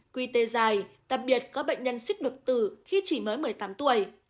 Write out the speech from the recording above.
quy tê dài đặc biệt có bệnh nhân suýt được tử khi chỉ mới một mươi tám tuổi